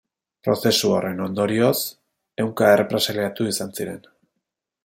Prozesu horren ondorioz, ehunka errepresaliatu izan ziren.